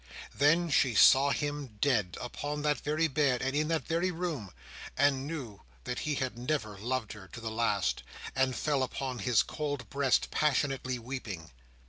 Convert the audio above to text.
Then she saw him dead, upon that very bed, and in that very room, and knew that he had never loved her to the last, and fell upon his cold breast, passionately weeping.